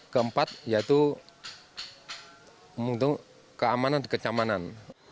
keempat yaitu keamanan dan kenyamanan